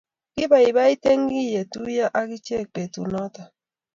Kibaibait eng kiyetuyo ak ichek betu noto.